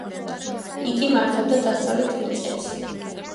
იგი მართავდა დასავლეთ მიწებს.